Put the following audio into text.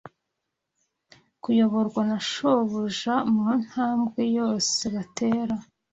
kuyoborwa na Shebuja mu ntambwe yose batera.